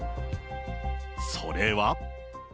それは。